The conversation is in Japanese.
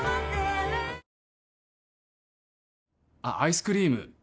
あっアイスクリーム